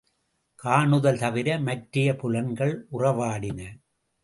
காணுதல் தவிர மற்றைய புலன்கள் உறவாடின.